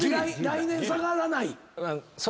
来年下がらない？